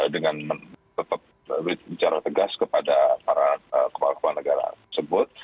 dengan tetap bicara tegas kepada para kepala kepala negara tersebut